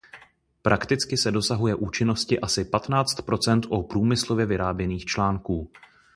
Prakticky se dosahuje účinnosti asi patnáct procent u průmyslově vyráběných článků.